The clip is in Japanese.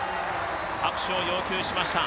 拍手を要求しました。